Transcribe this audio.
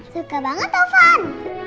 suka banget ovan